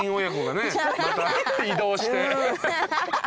移動して。